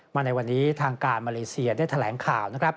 มาในวันนี้ทางการมาเลเซียได้แถลงข่าว